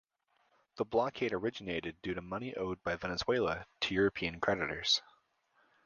The blockade originated due to money owed by Venezuela to European creditors.